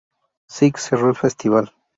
Six", cerró el festival.